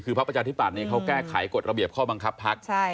คือพักประชาธิบัตย์เขาแก้ไขกฎระเบียบข้อบังคับพัก